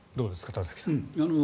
田崎さん。